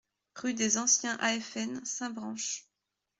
Rue des Anciens AFN, Saint-Branchs